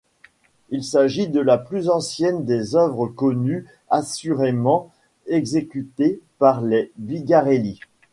Il s'agit de la plus ancienne des œuvres connues assurément exécutées par les Bigarelli.